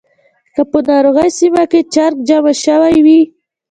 که په ناروغۍ سیمه کې چرک جمع شوی وي.